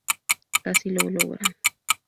Casi lo logran.